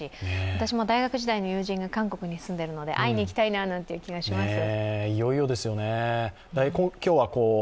私も大学時代の友人が韓国に住んでいるので、会いに行きたいなという気がします。